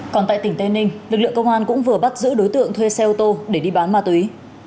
còn tại tỉnh tây ninh lực lượng công an cũng vừa bắt giữ đối tượng thuê xe ô tô để đi bán ma túy